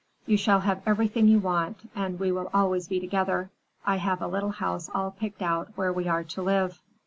You shall have everything you want, and we will always be together. I have a little house all picked out where we are to live."